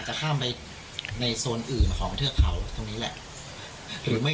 มันจะข้ามไปในโซนอื่นของเทือกเขาตรงนี้แหละ